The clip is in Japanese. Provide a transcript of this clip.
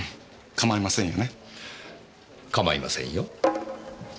構いませんよ。